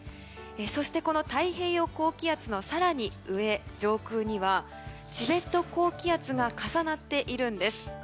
そして、太平洋高気圧の更に上上空にはチベット高気圧が重なっているんです。